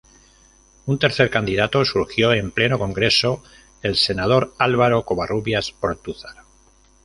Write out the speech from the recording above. Un tercer candidato surgió en pleno Congreso, el senador Álvaro Covarrubias Ortúzar.